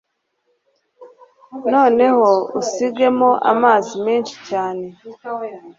Noneho usigemo amazi menshi cyane